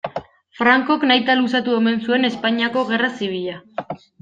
Francok nahita luzatu omen zuen Espainiako gerra zibila.